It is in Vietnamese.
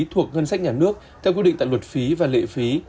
thuộc ngân sách nhà nước theo quy định tại luật phí và lệ phí